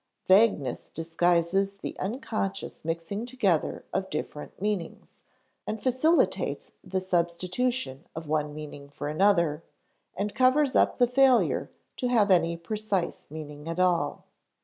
Vagueness disguises the unconscious mixing together of different meanings, and facilitates the substitution of one meaning for another, and covers up the failure to have any precise meaning at all.